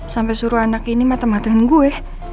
sampai suruh anak ini matematikan gue